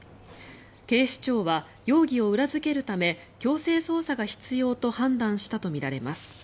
警視庁は容疑を裏付けるため強制捜査が必要と判断したとみられます。